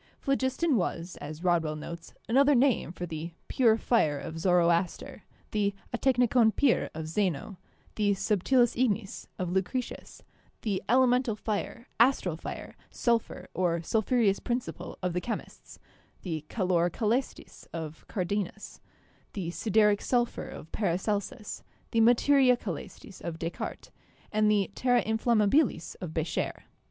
Phlogiston was, as Rodwell notes, another name for the 'pure fire' of Zoroaster ; the cctekvekov itvp of Zeno ; the 'subtilis ignis' of Lucretius ; the 'elemental fire,' 'astral fire,' 'sulphur,' or 'sulphureous principle' of the chemists; the 'calor cselestis' of Cardanus; the 'sideric sulphur' of Paracelsus; the 'materia cselestis' of Descartes, and the 'terra inflammabilis' of Becher.